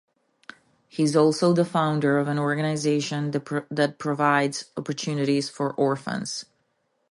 He is also the founder of an organization that provides opportunities for orphans.